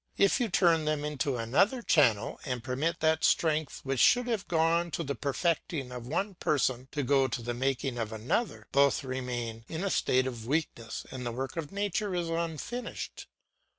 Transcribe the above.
If you turn them into another channel, and permit that strength which should have gone to the perfecting of one person to go to the making of another, both remain in a state of weakness and the work of nature is unfinished.